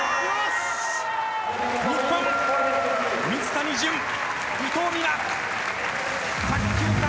日本、水谷隼、伊藤美誠卓球界